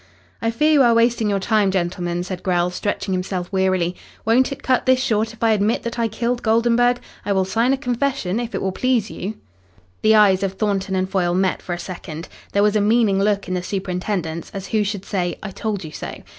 "I fear you are wasting your time, gentlemen," said Grell, stretching himself wearily. "Won't it cut this short if I admit that I killed Goldenburg? I will sign a confession if it will please you." The eyes of Thornton and Foyle met for a second. There was a meaning look in the superintendent's, as who should say, "I told you so."